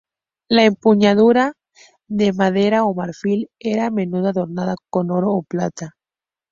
La empuñadura, de madera o marfil, era a menudo adornada con oro o plata.